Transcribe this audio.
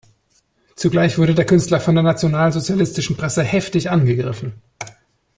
Zugleich wurde der Künstler von der nationalsozialistischen Presse heftig angegriffen.